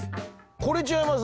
これ違います？